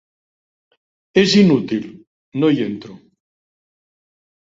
És inútil: no hi entro.